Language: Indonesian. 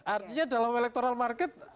artinya dalam electoral market